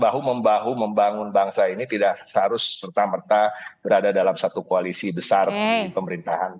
bahu membahu membangun bangsa ini tidak seharusnya serta merta berada dalam satu koalisi besar di pemerintahan